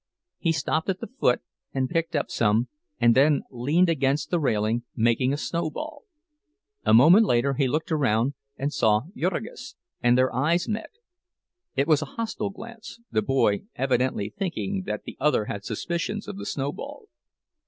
He stopped at the foot, and picked up some, and then leaned against the railing, making a snowball. A moment later he looked around and saw Jurgis, and their eyes met; it was a hostile glance, the boy evidently thinking that the other had suspicions of the snowball.